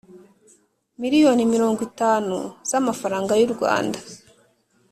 Miliyoni mirongo itanu z amafaranga y u Rwanda